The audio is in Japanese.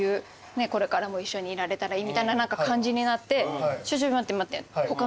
これからも一緒にいられたらいいみたいな感じになって待って待って。